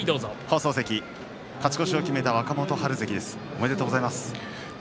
勝ち越しを決めた若元春関ですおめでとうございます。